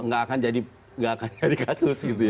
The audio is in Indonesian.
gak akan jadi gak akan jadi kasus gitu ya